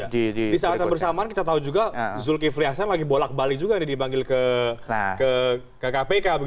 di saat yang bersamaan kita tahu juga zulkifli hasan lagi bolak balik juga nih dipanggil ke kpk